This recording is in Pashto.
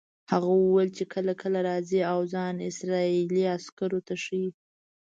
هغه وویل چې کله کله راځي او ځان اسرائیلي عسکرو ته ښیي.